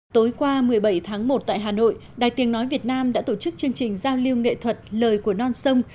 tối qua một mươi bảy tháng một tại hà nội đài tiếng nói việt nam đã tổ chức chương trình giao lưu nghệ thuật lời của non sông